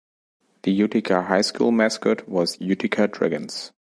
The Utica High School mascot was Utica Dragons.